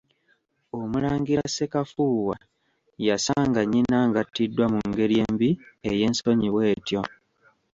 Omulangira Ssekafuuwa yasanga nnyina ng'attiddwa mu ngeri embi ey'ensonyi bw'etyo.